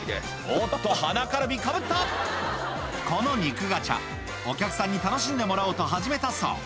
おっと華カルビかぶったこの肉ガチャお客さんに楽しんでもらおうと始めたそう